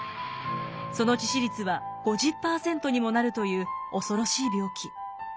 その致死率は５０％にもなるという恐ろしい病気。